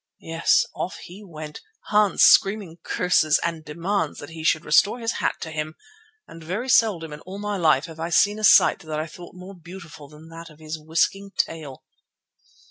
Yes, off he went, Hans screaming curses and demands that he should restore his hat to him, and very seldom in all my life have I seen a sight that I thought more beautiful than that of his whisking tail.